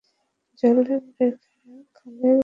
জলের রেখা, খলের পিরিতি।